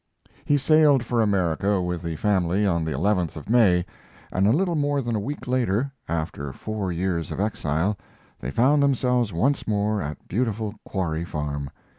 He sailed for America, with the family on the 11th of May, and a little more than a week later, after four years of exile, they found themselves once more at beautiful Quarry Farm.